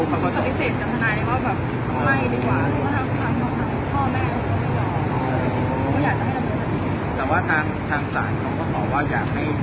เพราะว่าครึ่งเจอจะลองเปิดเจออะไรอยู่แล้ว